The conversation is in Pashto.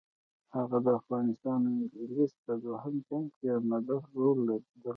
هغه د افغانستان او انګلیس په دوهم جنګ کې عمده رول درلود.